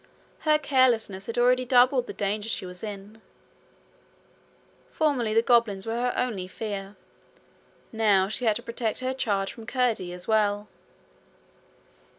Her carelessness had already doubled the danger she was in. Formerly the goblins were her only fear; now she had to protect her charge from Curdie as well.